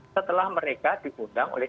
setelah mereka diundang oleh